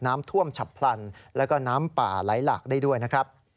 น้ำท่วมฉับพลันแล้วก็น้ำป่าไหลหลากได้ด้วยนะครับ